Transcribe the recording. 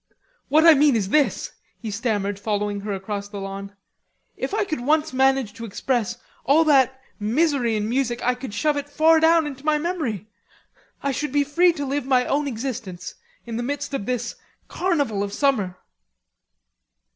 "What I mean is this," he stammered, following her across the lawn. "If I could once manage to express all that misery in music, I could shove it far down into my memory. I should be free to live my own existence, in the midst of this carnival of summer."